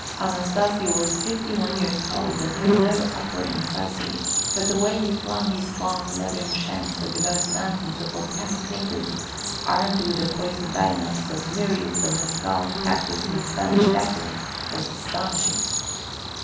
Anastasio was fifty one years old and had no upper incisors, but the way he flung his gaunt leathern shanks over those mountains of volcanic clinkers, armed with the poisoned bayonets of myriads of mescal, cactus and Spanish dagger, was astonishing.